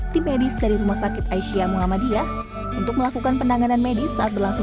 dua puluh enam tim medis dari rumah sakit aisyah muhammadiyah untuk melakukan pendanganan medis saat berlangsung